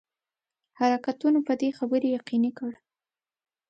حرکتونو په دې خبري یقیني کړ.